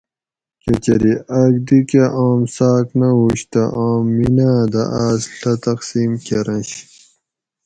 کچری آک دی کہ آم څاۤک نہ ہوش تہ آم میناۤ دہ آۤس ڷھہ تقسیم کۤرنش